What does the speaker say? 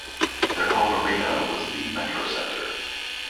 Their home arena was the MetroCentre.